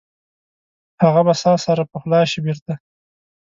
هغه به ساه سره پخلا شي بیرته؟